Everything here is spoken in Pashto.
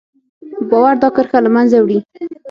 باور دا کرښه له منځه وړي.